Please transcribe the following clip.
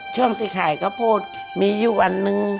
ช่วงที่ขายข้าวโพดมีอยู่วันหนึ่ง